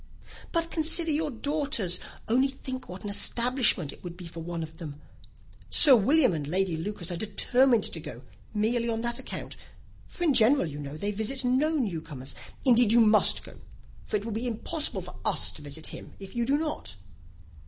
"But consider your daughters. Only think what an establishment it would be for one of them. Sir William and Lady Lucas are determined to go, merely on that account; for in general, you know, they visit no new comers. Indeed you must go, for it will be impossible for us to visit him, if you do not."